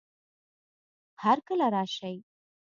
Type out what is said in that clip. هر کله راشئ